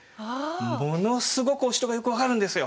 ものすごくお城がよく分かるんですよ。